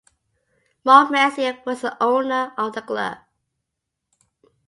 Mark Messier was the owner of the club.